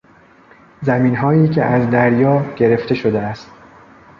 زمینهایی که از دریا گرفته شده است